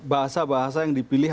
bahasa bahasa yang dipilih